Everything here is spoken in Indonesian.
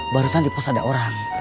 barusan di pos ada orang